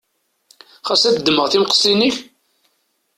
Ɣas ad ddmeɣ timqestin-inek?